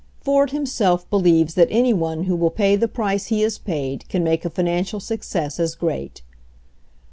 Ford himself believes that any one who will pay the price he has paid can make a financial suc cess as great.